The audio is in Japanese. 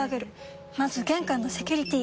まず玄関のセキュリティ！